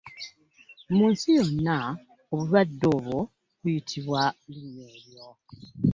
Mu nsi yonna obulwadde obwo buyitibwa linnya eryo.